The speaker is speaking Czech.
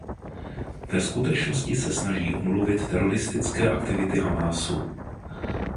Ve skutečnosti se snaží omluvit teroristické aktivity Hamásu.